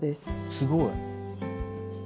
すごい！